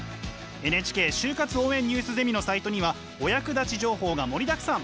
ＮＨＫ就活応援ニュースゼミのサイトにはお役立ち情報が盛りだくさん。